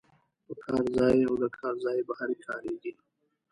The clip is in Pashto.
په کار ځای او له کار ځای بهر کاریږي.